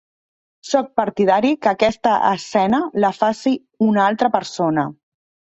Soc partidari que aquesta escena la faci una altra persona.